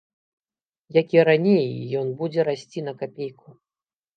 Як і раней, ён будзе расці на капейку.